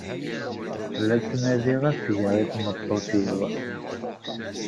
La d-ttnadiɣ asga i tmeṭṭut-iw.